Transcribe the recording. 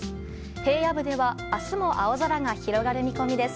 平野部では明日も青空が広がる見込みです。